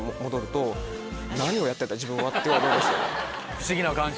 不思議な感じ